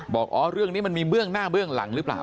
บอกอ๋อเรื่องนี้มันมีเบื้องหน้าเบื้องหลังหรือเปล่า